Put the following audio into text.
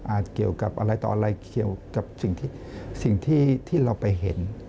เกี่ยวกับอะไรต่ออะไรเกี่ยวกับสิ่งที่เราไปเห็น